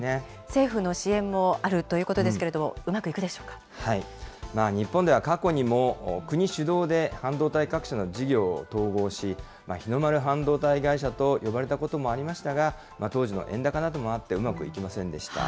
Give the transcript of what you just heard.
政府の支援もあるということですけれども、うまくいくでしょ日本では過去にも、国主導で半導体各社の事業を統合し、日の丸半導体会社と呼ばれたこともありましたが、当時の円高などもあって、うまくいきませんでした。